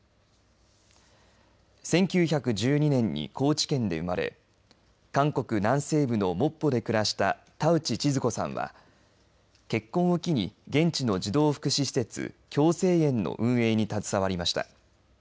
１９１２年に高知県で生まれ韓国南西部のモッポで暮らした田内千鶴子さんは結婚を機に現地の児童福祉施設、共生園の運営に携わりました。